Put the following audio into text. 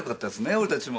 俺たちも。